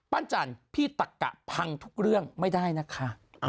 จันทร์พี่ตักกะพังทุกเรื่องไม่ได้นะคะ